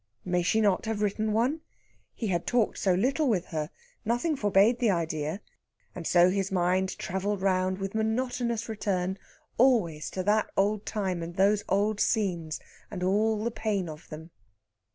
May she not have written one? He had talked so little with her; nothing forbade the idea. And so his mind travelled round with monotonous return, always to that old time, and those old scenes, and all the pain of them.